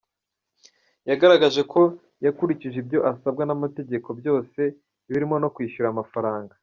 Yagaragaje ko yakurikije ibyo asabwa n’amategeko byose birimo no kwishyura amafaranga.